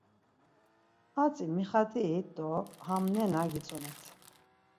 hatzi mixat̆irit do ham nena gitzumelt.